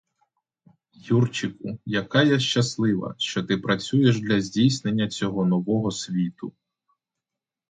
Юрчику, яка я щаслива, що ти працюєш для здійснення цього нового світу!